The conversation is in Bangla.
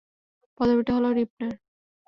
পদবিটা হল রিপনার।